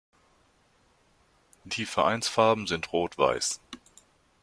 Die Vereinsfarben sind rot-weiß.